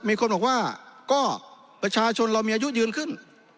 มีคนบอกว่าก็ประชาชนเรามีอายุยืนขึ้น